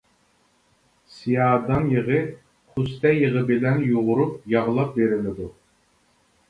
سىيادان يېغى، قۇستە يېغى بىلەن يۇغۇرۇپ ياغلاپ بېرىلىدۇ.